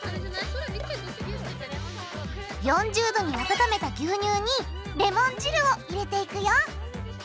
４０℃に温めた牛乳にレモン汁を入れていくよ